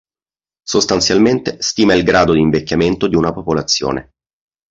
Sostanzialmente stima il grado di invecchiamento di una popolazione.